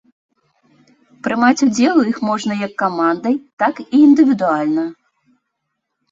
Прымаць удзел у іх можна як камандай, так і індывідуальна.